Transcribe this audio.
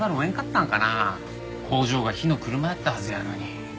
工場が火の車やったはずやのに。